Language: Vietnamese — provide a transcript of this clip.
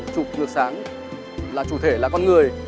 chụp ngược sáng là chủ thể là con người